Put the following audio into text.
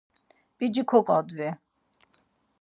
p̌ici koǩodvi!